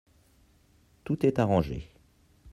Tout est arrangé.